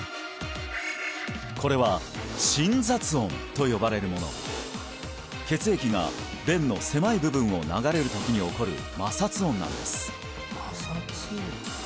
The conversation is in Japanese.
これは心雑音と呼ばれるもの血液が弁の狭い部分を流れる時に起こる摩擦音なんです